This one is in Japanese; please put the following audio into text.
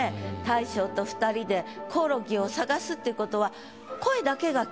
大将と２人でコオロギを捜すっていうことは。